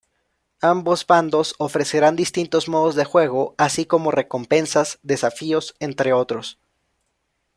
Ambos bandos ofrecerán distintos modos de juego así como recompensas, desafíos, entre otros.